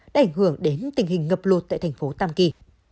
đã ảnh hưởng đến tình hình ngập lụt tại thành phố tam kỳ